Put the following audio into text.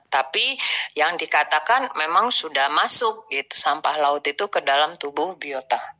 tapi yang dikatakan memang sudah masuk sampah laut itu ke dalam tubuh biota